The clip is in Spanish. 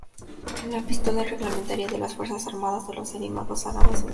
Es la pistola reglamentaria de las Fuerzas Armadas de los Emiratos Árabes Unidos.